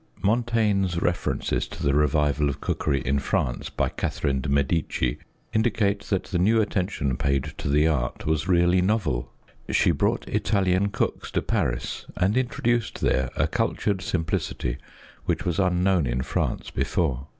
Montaigne's references to the revival of cookery in France by Catherine de' Medici indicate that the new attention paid to the art was really novel. She brought Italian cooks to Paris and introduced there a cultured simplicity which was unknown in France before.